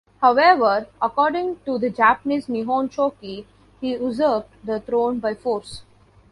However, according to the Japanese "Nihon Shoki" he usurped the throne by force.